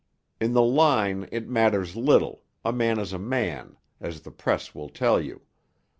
In the line it matters little, a man is a man, as the Press will tell you.